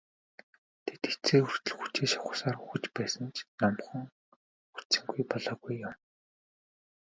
Тэд эцсээ хүртэл хүчээ шавхсаар үхэж байсан ч номхон хүлцэнгүй болоогүй юм.